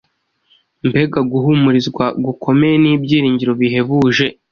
Mbega guhumurizwa gukomeye n’ibyiringiro bihebuje!